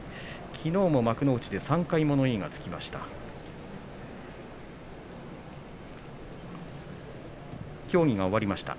きのうも幕内で３回物言いがつきました。